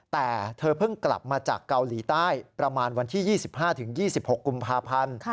แต่เธอเพิ่งกลับมาจากเกาหลีใต้ประมาณวันที่๒๕๒๖กุมภาพันธ์